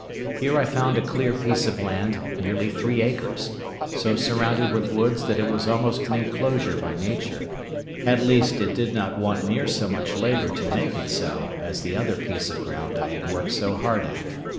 Here I found a clear piece of land, near three acres, so surrounded with woods that it was almost an enclosure by nature; at least, it did not want near so much labour to make it so as the other piece of ground I had worked so hard at.